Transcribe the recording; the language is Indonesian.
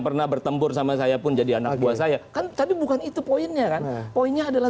pernah bertempur sama saya pun jadi anak buah saya kan tapi bukan itu poinnya kan poinnya adalah